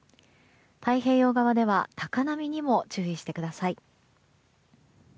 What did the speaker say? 太平洋側では高波にも注意してください。